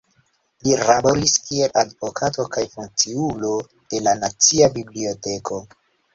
Li laboris kiel advokato kaj funkciulo de la Nacia Biblioteko.